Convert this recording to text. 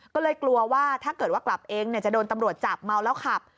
ก็เลยกลัวว่าถ้าเกิดว่ากลับเองจะโดนตำรวจจับเมาแล้วขับ